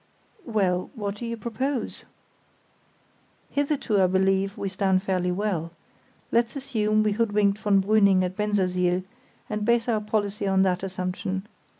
"Well, what do you propose?" "Hitherto I believe we stand fairly well. Let's assume we hoodwinked von Brüning at Bensersiel, and base our policy on that assumption.